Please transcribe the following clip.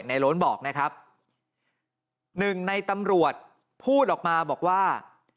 โล้นบอกนะครับหนึ่งในตำรวจพูดออกมาบอกว่า